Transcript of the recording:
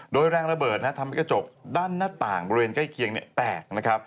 โดยแรงระเบิดทำให้กระจกด้านหน้าต่างบริเวณใกล้เคียงแตกนะครับ